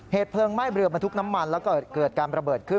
เพลิงไหม้เรือบรรทุกน้ำมันแล้วเกิดการระเบิดขึ้น